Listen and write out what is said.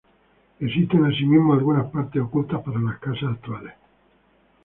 Existen, asimismo, algunas partes ocultas por las casas actuales.